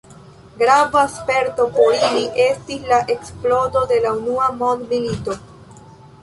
Grava sperto por li estis la eksplodo de la Unua mondmilito.